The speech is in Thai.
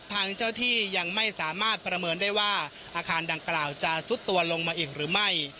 ทางเจ้าที่ยังไม่สามารถประเมินได้ว่าอาคารดังกล่าวจะซุดตัวลงมาอีกหรือไม่